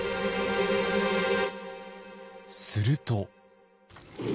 すると。